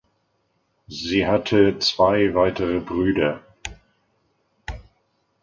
Sie hatte zwei weitere Brüder.